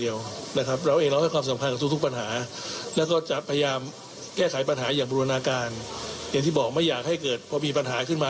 อย่างที่บอกไม่อยากให้เกิดพอมีปัญหาขึ้นมา